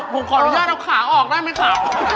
ผมขออนุญาตเอาขาออกได้ไหมครับ